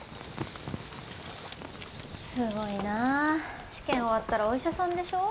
すごいな試験終わったらお医者さんでしょ？